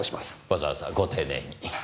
わざわざご丁寧に。